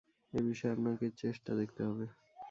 এ বিষয়ে আপনাকে চেষ্টা দেখতে হবে।